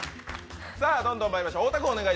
さぁ、どんどんまいりましょう。